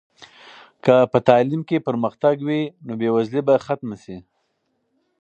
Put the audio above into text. که په تعلیم کې پرمختګ وي نو بې وزلي به ختمه سي.